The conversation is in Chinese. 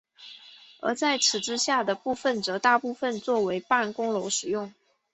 而在此之下的部分则大部分作为办公楼使用。